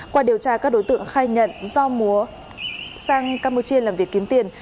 qua điều tra các đối tượng khai nhận do múa sang campuchia làm việc kiếm tiền